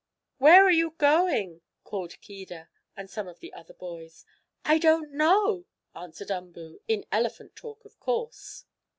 "Where are you going?" called Keedah, and some of the other boys. "I don't know," answered Umboo, in elephant talk, of course.